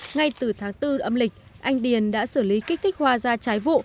ngay từ tháng bốn âm lịch anh điền đã xử lý kích thích hoa ra trái vụ